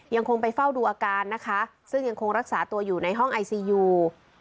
ยังคงไปเฝ้าดูอาการนะคะซึ่งยังคงรักษาตัวอยู่ในห้องไอซียู